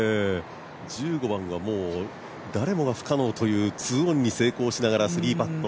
１５番はもう誰もが不可能という２オンに成功しながら３パット。